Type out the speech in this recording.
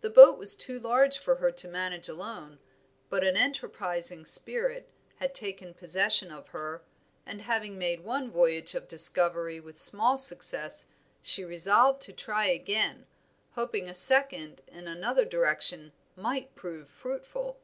The boat was too large for her to manage alone, but an enterprising spirit had taken possession of her, and having made one voyage of discovery with small success she resolved to try again, hoping a second in another direction might prove more fruitful.